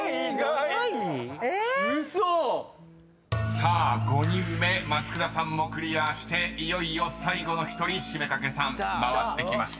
［さあ５人目松倉さんもクリアしていよいよ最後の１人七五三掛さん回ってきました］